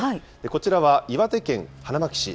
こちらは岩手県花巻市。